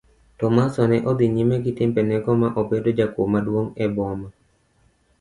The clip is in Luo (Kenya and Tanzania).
Tomaso ne odhi nyime gi timbe nego ma obedo jakuo maduong' e boma.